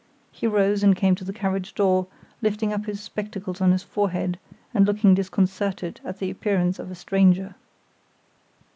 He rose and came to the carriage door, lifting up his spectacles on his forehead, and looking disconcerted at the appearance of a stranger.